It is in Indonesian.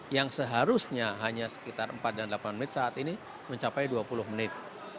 yang seharusnya hanya sekitar empat dan delapan menit saat ini mencapai dua puluh menit